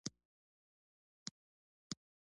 ایا تاسو کله په روغتون کې یاست؟